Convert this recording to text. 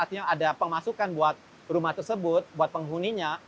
artinya ada pemasukan buat rumah tersebut buat penghuninya